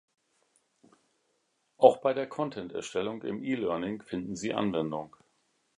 Auch bei der Content-Erstellung im E-Learning finden sie Anwendung.